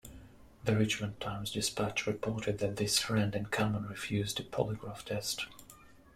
The "Richmond Times-Dispatch" reported that this "friend in common" refused a polygraph test.